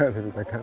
tidak ada di padang